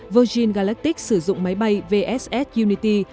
virgin galactic sử dụng máy bay vss unity